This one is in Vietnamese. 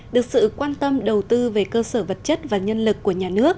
được sự quan tâm đầu tư về cơ sở vật chất và nhân lực của nhà nước